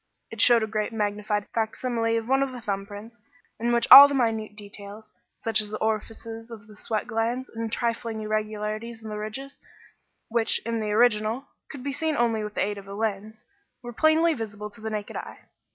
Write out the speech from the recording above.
It showed a greatly magnified facsimile of one of the thumb prints, in which all the minute details, such as the orifices of the sweat glands and trifling irregularities in the ridges, which, in the original, could be seen only with the aid of a lens, were plainly visible to the naked eye.